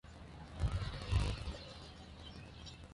Sin embargo no todos dieron credibilidad al hallazgo.